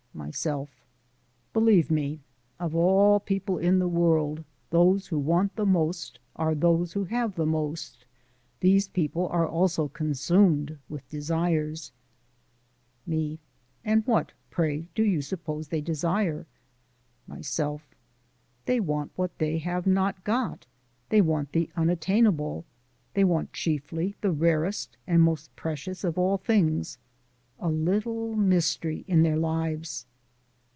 MYSELF: Believe me, of all people in the world those who want the most are those who have the most. These people are also consumed with desires. ME: And what, pray, do you suppose they desire? MYSELF: They want what they have not got; they want the unattainable: they want chiefly the rarest and most precious of all things a little mystery in their lives.